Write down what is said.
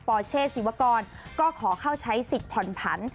เชษศิวกรก็ขอเข้าใช้สิทธิ์ผ่อนผัน